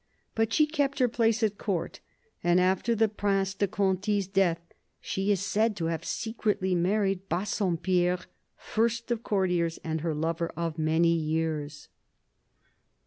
But she kept her place at Court, and after the Prince de Conti's death she is said to have secretly married Bassom pierre, first of courtiers and her lover of many years.